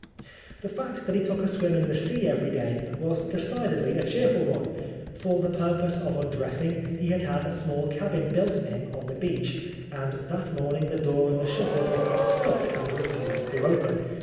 The fact that he took a swim in the sea every day was decidedly a cheerful one. For the purpose of undressing he had had a small cabin built for him on the beach, and that morning the door and the shutters had got stuck and refused to open.